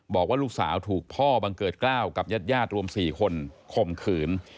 บอกว่าลูกสาวถูกพ่อบังเกิดกล้าวกับญาติญาติรวม๔คนข่มขืน